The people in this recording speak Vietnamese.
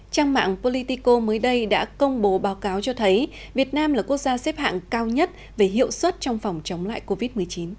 trang mạng politico mới đây đã công bố báo cáo cho thấy việt nam là quốc gia xếp hạng cao nhất về hiệu suất trong phòng chống lại covid một mươi chín